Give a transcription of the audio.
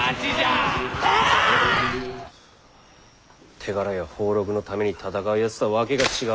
手柄や俸禄のために戦うやつとはわけが違うわ。